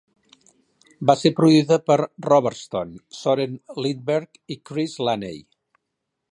Va ser produïda per Robertson, Soren Lindberg i Chris Laney.